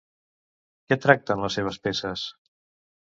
Què tracten les seves peces?